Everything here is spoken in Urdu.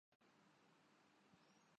روانڈا وہ ملک ہے۔